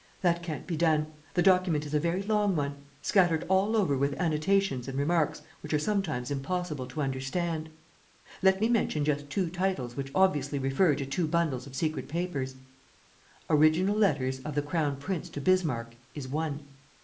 That can't be done. The document is a very long one, scattered all over with annotations and remarks which are sometimes impossible to understand. Let me mention just two titles which obviously refer to two bundles of secret papers: Original letters of the Crown Prince to Bismarck is one.